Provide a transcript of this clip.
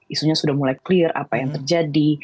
isunya sudah mulai clear apa yang terjadi